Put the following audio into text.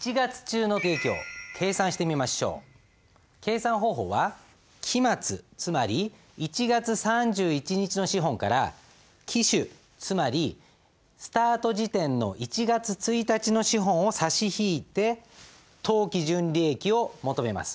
その前に計算方法は期末つまり１月３１日の資本から期首つまりスタート時点の１月１日の資本を差し引いて当期純利益を求めます。